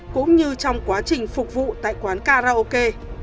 cũng như trong quá trình phục vụ tại quán karaoke